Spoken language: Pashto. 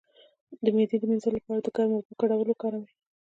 د معدې د مینځلو لپاره د ګرمو اوبو ګډول وکاروئ